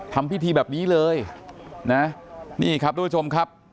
ทำพิธีแบบนี้เลยนะนี่ครับทุกผู้ชมครับ